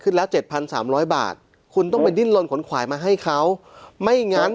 ละ๗๓๐๐บาทคุณต้องไปดิ้นลนขนขวายมาให้เขาไม่งั้น